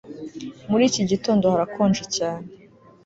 Muri iki gitondo harakonje cyane